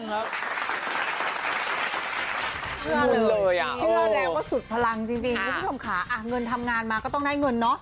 เชื่อแล้วว่าสุดพลังจริงคุณผู้ชมขาเงินทำงานมาก็ต้องได้เงินเนอะ